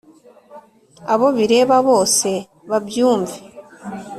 abo bireba bose babyumve